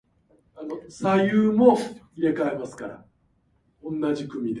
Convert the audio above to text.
俳句をやってほととぎすへ投書をしたり、新体詩を明星へ出したり、間違いだらけの英文をかいたり、